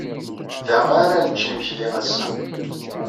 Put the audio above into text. Da ara nečč imekli ass-a.